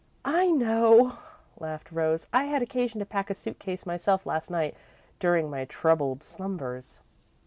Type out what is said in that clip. "I know," laughed Rose. "I had occasion to pack a suit case myself last night, during my troubled slumbers."